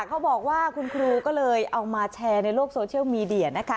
เขาบอกว่าคุณครูก็เลยเอามาแชร์ในโลกโซเชียลมีเดียนะคะ